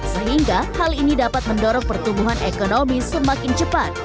sehingga hal ini dapat mendorong pertumbuhan ekonomi semakin cepat